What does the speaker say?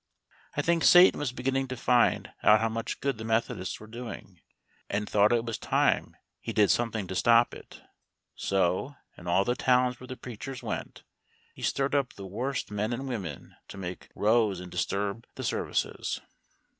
I think Satan was beginning to find out how much good the Methodists were doing, and thought it was about time he did something to stop it. So, in all the towns where the preachers went, he stirred up the worst men and women to make rows and disturb the services.